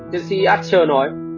thiên sĩ asher nói